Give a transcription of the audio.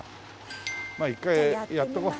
まあ１回やっておこう。